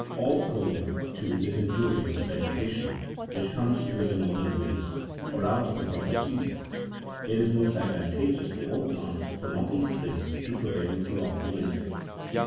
All cold, too, is injurious to ve getation, which comes with the northern winds, or out of the proper season. It is most advantageous to all plants for north east winds19 to prevail throughout the winter.